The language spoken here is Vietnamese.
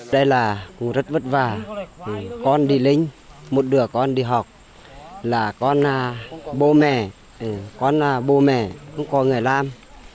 đây là cụ rất vất vả con đi lính một đứa con đi học là con bố mẹ con bố mẹ cũng có người làm